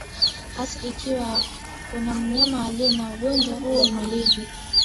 hasa ikiwa kuna mnyama aliye na ugonjwa huo mwilini